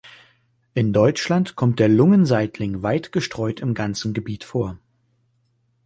In Deutschland kommt der Lungen-Seitling weit gestreut im gesamten Gebiet vor.